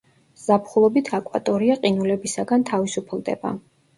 ზაფხულობით აკვატორია ყინულებისაგან თავისუფლდება.